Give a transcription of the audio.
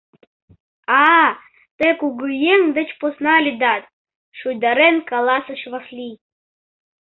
— А-а, тый кугыеҥ деч посна лӱдат?! — шуйдарен каласыш Васлий.